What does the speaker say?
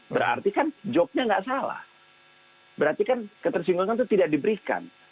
berarti kan jobnya nggak salah berarti kan ketersinggungan itu tidak diberikan